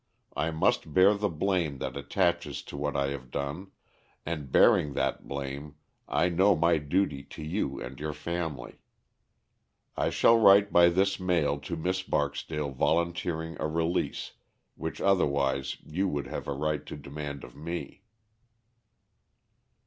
I must bear the blame that attaches to what I have done, and bearing that blame I know my duty to you and your family. I shall write by this mail to Miss Barksdale volunteering a release, which otherwise you would have a right to demand of me."